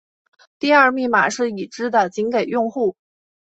第二密码是已知的仅给用户。